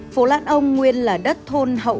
phố lan ông nguyên là đất thôn hậu tư